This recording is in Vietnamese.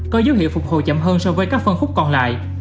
có dấu hiệu phục hồi chậm hơn so với các phân khúc còn lại